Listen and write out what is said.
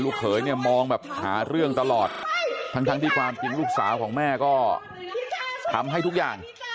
เขยเนี่ยมองแบบหาเรื่องตลอดทั้งที่ความจริงลูกสาวของแม่ก็ทำให้ทุกอย่าง